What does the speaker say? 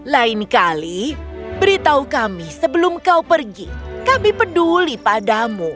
lain kali beritahu kami sebelum kau pergi kami peduli padamu